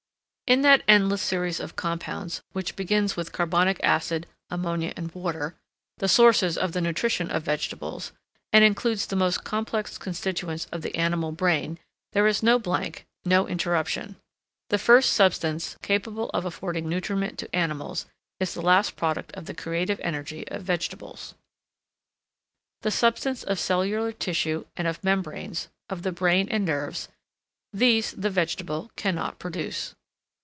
In that endless series of compounds, which begins with carbonic acid, ammonia, and water, the sources of the nutrition of vegetables, and includes the most complex constituents of the animal brain, there is no blank, no interruption. The first substance capable of affording nutriment to animals is the last product of the creative energy of vegetables. The substance of cellular tissue and of membranes, of the brain and nerves, these the vegetable cannot produce.